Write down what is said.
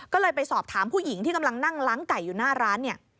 ก็เลยไปสอบถามผู้หญิงที่กำลังนั่งล้างไก่อยู่หน้าร้านเนี่ย